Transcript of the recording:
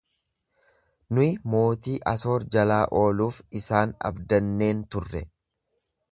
Nuyi mootii Asoor jalaa ooluuf isaan abdanneen turre.